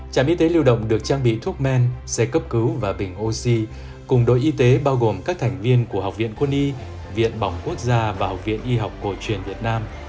trạm y tế lưu động được trang bị thuốc men xe cấp cứu và bình oxy cùng đội y tế bao gồm các thành viên của học viện quân y viện bỏng quốc gia và học viện y học cổ truyền việt nam